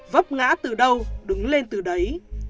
vấp ngã từ đâu đứng lên từ đấy